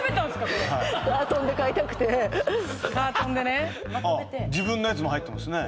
これカートンで買いたくてカートンでねあっ自分のやつも入ってますね